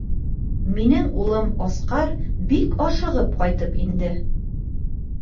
Минең улым Асҡар бик ашығып ҡайтып инде.